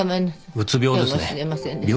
うつ病ですね。